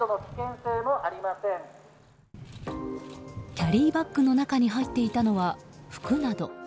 キャリーバッグの中に入っていたのは、服など。